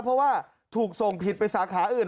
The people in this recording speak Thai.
เพราะว่าถูกส่งผิดไปสาขาอื่น